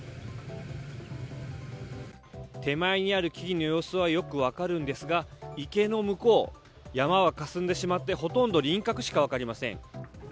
手前にある木々の様子はよく分かるんですが池の向こう、山はかすんでしまってほとんど輪郭しか分かりません。